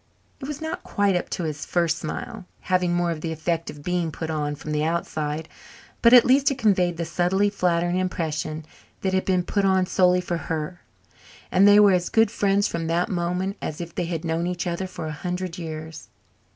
It was not quite up to his first smile, having more of the effect of being put on from the outside, but at least it conveyed the subtly flattering impression that it had been put on solely for her, and they were as good friends from that moment as if they had known each other for a hundred years.